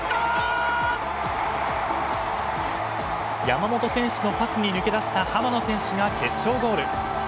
山本選手のパスに抜け出した浜野選手が決勝ゴール。